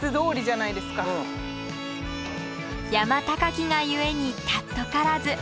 山高きが故に貴からず。